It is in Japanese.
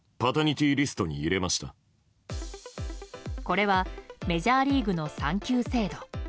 これはメジャーリーグの産休制度。